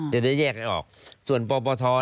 จะได้แยกออกส่วนปอปอท